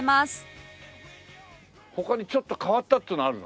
他にちょっと変わったっていうのあるの？